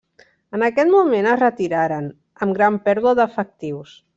En aquest moment es retiraren, amb gran pèrdua d'efectius.